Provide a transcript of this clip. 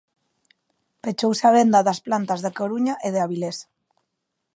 Pechouse a venda das plantas da Coruña e de Avilés.